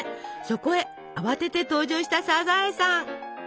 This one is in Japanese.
そこへ慌てて登場したサザエさん。